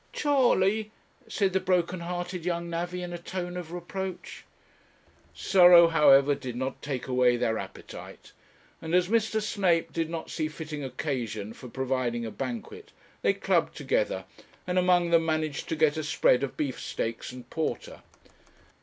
'Charley!' said the broken hearted young navvy, in a tone of reproach. Sorrow, however, did not take away their appetite, and as Mr. Snape did not see fitting occasion for providing a banquet, they clubbed together, and among them managed to get a spread of beefsteaks and porter.